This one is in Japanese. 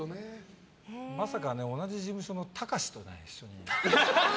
まさか同じ事務所の隆史と一緒に。